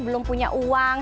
belum punya uang